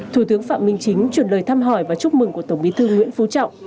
thủ tướng phạm minh chính chuyển lời thăm hỏi và chúc mừng của tổng bí thư nguyễn phú trọng